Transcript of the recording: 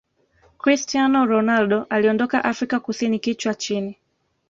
cristiano ronaldo aliondoka afrika kusini kichwa chini